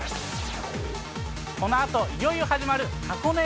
このあといよいよ始まる箱根